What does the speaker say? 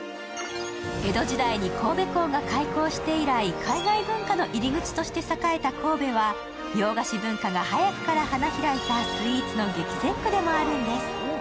江戸時代に神戸港が開港して以来、海外文化の入り口として栄えた神戸は、洋菓子文化が早くから花開いたスイーツの激戦区でもあるんです。